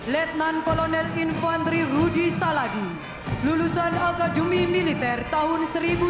letnan kolonel infantri rudy saladi lulusan akademi militer tahun seribu sembilan ratus sembilan puluh